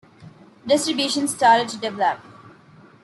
Distribution started to develop.